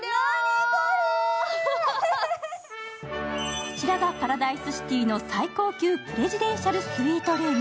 こちらがパラダイスシティの最高級プレジデンシャル・スイートルーム。